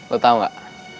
lu tau gak